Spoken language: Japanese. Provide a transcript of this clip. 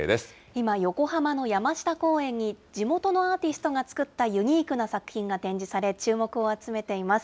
今、横浜の山下公園に、地元のアーティストが作ったユニークな作品が展示され、注目を集めています。